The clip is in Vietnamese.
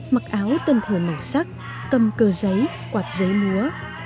mặc áo tân thời màu sắc cầm cơ giấy quạt giấy múa